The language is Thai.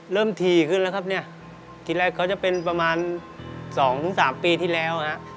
ถี่ขึ้นแล้วครับเนี่ยทีแรกเขาจะเป็นประมาณ๒๓ปีที่แล้วฮะ